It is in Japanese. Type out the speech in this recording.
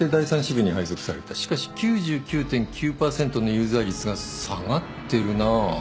しかし９９．９％の有罪率が下がってるな。